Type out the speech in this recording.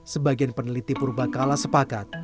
sebagian peneliti purba kala sepakat